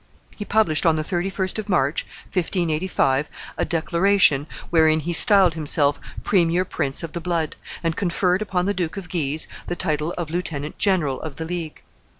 He published on the 31st of March, 1585, a declaration wherein he styled himself premier prince of the blood, and conferred upon the Duke of Guise the title of lieutenant general of the League.